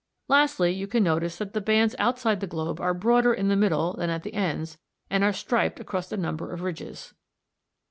Lastly, you can notice that the bands outside the globe are broader in the middle than at the ends, and are striped across by a number of ridges.